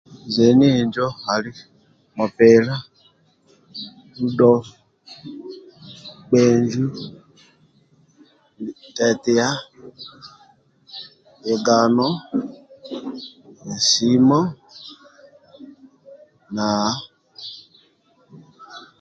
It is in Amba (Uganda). zeni injo ali mupila ludo kpenju tetiya bigano nsimo na